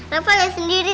rafa lihat sendiri